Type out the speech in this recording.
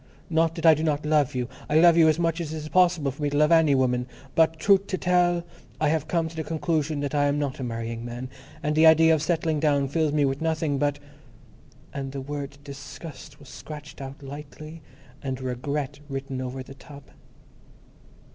Not that I do not love you. I love you as much as it is possible for me to love any woman, but, truth to tell, I have come to the conclusion that I am not a marrying man, and the idea of settling down fills me with nothing but—" and the word "disgust" was scratched out lightly and "regret" written over the top.